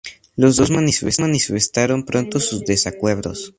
Los dos manifestaron pronto sus desacuerdos.